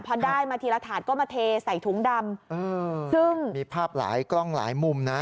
พอได้มาทีละถาดก็มาเทใส่ถุงดำซึ่งมีภาพหลายกล้องหลายมุมนะ